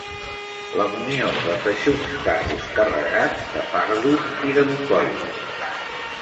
La munió de feixucs carros carregats de fardos i de bocois.